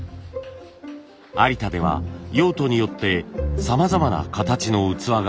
有田では用途によってさまざまな形の器が作られています。